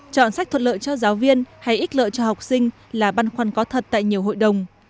chọn sách thuận lợi cho giáo viên hay ít lợi cho học sinh là băn khoăn có thật tại nhiều hội đồng